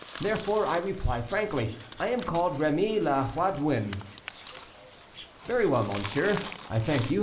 Therefore, I reply frankly: I am called Rémy le Haudouin." "Very well, monsieur; I thank you.